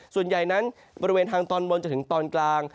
ส่วนใหญ่นั้นบริเวณทางตอนบนจนถึงตอนกลาง